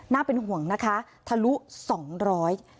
เป็นห่วงนะคะทะลุสองร้อย